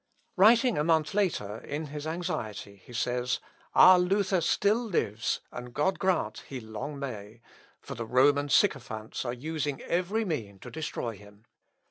Writing a month later, in his anxiety, he says, "Our Luther still lives, and God grant he long may; for the Roman sycophants are using every mean to destroy him.